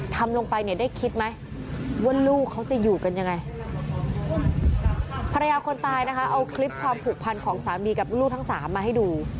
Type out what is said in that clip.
ทำลงไปเนี่ยได้คิดไหมว่าลูกเขาจะอยู่กันยังไงภรรยาคนตายนะคะเอาคลิปความผูกพันของสามีกับลูกทั้งสามมาให้ดู